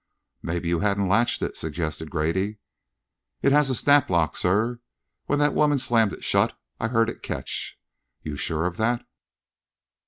"Maybe you hadn't latched it," suggested Grady. "It has a snap lock, sir; when that woman slammed it shut, I heard it catch." "You're sure of that?"